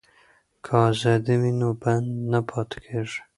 که ازادي وي نو بند نه پاتې کیږي.